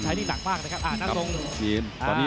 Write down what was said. แล้วพี่ดวงศักดิ์ชายโชดด้วยนะครับ